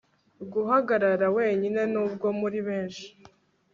guhagarara wenyine, nubwo muri benshi